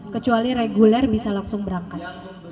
kecuali reguler bisa langsung berangkat